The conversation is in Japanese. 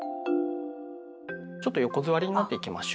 ちょっと横座りになっていきましょうか。